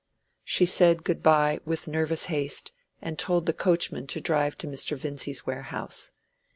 She said good by with nervous haste, and told the coachman to drive to Mr. Vincy's warehouse.